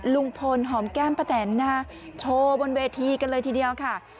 ลุงพลหอมแก้มป้าแตนนะคะโชว์บนเวทีกันเลยทีเดียวค่ะ